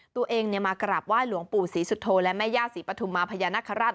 ตัวเองมากราบไหว้หลวงปู่ศรีสุโธและแม่ย่าศรีปฐุมมาพญานาคาราช